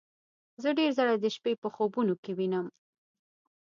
زه ډیر ځله د شپې په خوبونو کې وینم